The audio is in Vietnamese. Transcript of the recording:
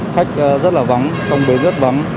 khách rất là vắng trong bến rất vắng